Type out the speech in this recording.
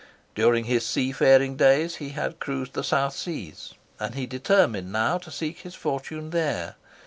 During his sea faring days he had cruised the South Seas, and he determined now to seek his fortune there.